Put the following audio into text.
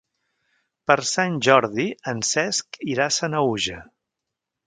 Per Sant Jordi en Cesc irà a Sanaüja.